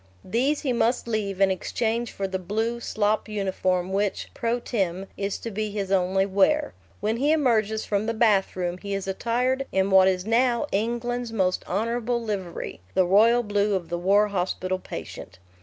These he must leave in exchange for the blue slop uniform which, pro tem., is to be his only wear. When he emerges from the bathroom he is attired in what is now England's most honourable livery the royal blue of the war hospital patient.